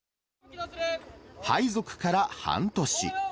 配属から半年。